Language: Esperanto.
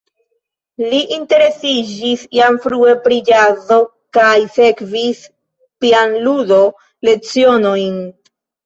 Li interesiĝis jam frue pri ĵazo kaj sekvis pianludo-lecionojn.